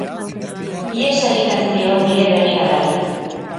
Ihes egiten zion nire begiradari.